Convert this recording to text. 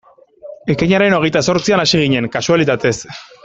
Ekainaren hogeita zortzian hasi ginen, kasualitatez.